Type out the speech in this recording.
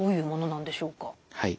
はい。